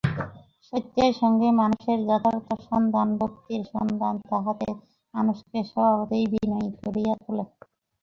সত্যের সঙ্গে মানুষের যথার্থ সম্বন্ধ ভক্তির সম্বন্ধ– তাহাতে মানুষকে স্বভাবতই বিনয়ী করিয়া তোলে।